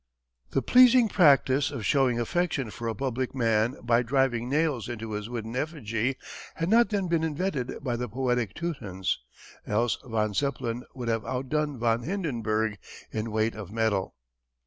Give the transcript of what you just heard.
The pleasing practice of showing affection for a public man by driving nails into his wooden effigy had not then been invented by the poetic Teutons, else von Zeppelin would have outdone von Hindenburg in weight of metal.